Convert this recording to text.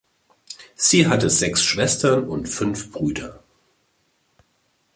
Sie hatte sechs Schwestern und fünf Brüder.